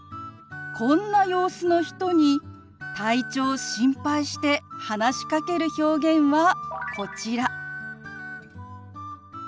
こんな様子の人に体調を心配して話しかける表現はこちら。